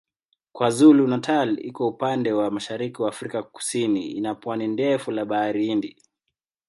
KwaZulu-Natal iko upande wa mashariki wa Afrika Kusini ina pwani ndefu la Bahari Hindi.